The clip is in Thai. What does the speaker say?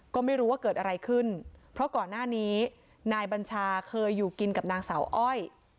ก็ไม่รู้ว่าเกิดอะไรขึ้นเพราะก่อนหน้านี้นายบัญชาเคยอยู่กินกับนางสาวอ้อย